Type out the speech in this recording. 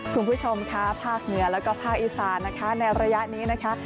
คุณผู้ชมค่ะภาคเหนือแล้วก็ภาคอีสานนะคะในระยะนี้นะคะ